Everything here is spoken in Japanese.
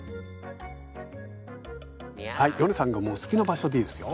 ヨネさんが好きな場所でいいですよ。